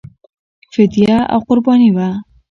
فدیه او قرباني وه.